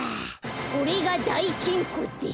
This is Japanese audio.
これがだいきんこです。